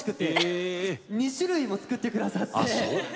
２種類も作って下さって。